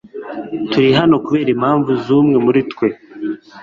Turi hano kubera impamvu zumwe muri twe